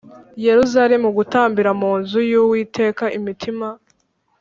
Yerusalemu gutambira mu nzu y Uwiteka imitima